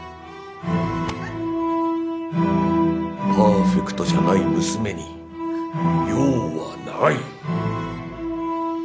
パーフェクトじゃない娘に用はない。